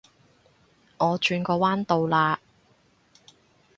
我轉個彎到啦